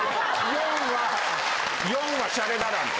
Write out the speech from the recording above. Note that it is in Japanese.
４は４はシャレならんと。